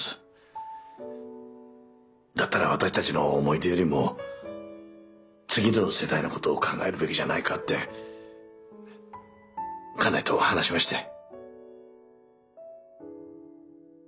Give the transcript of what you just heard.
だったら私たちの思い出よりも次の世代のことを考えるべきじゃないかって家内と話しまして。